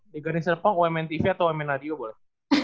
degani serpong wmn tv atau wmn radio boleh